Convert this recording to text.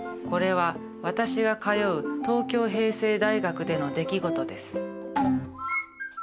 これは私が通う東京平成大学での出来事です。